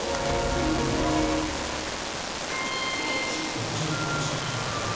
牧場から食卓まで。